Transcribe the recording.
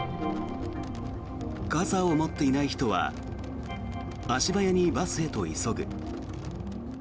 傘を持っていない人は足早にバスへと急ぐ。